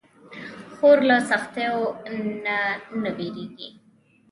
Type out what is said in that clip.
خور له سختیو نه نه وېریږي.